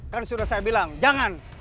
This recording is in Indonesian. kan sudah saya bilang jangan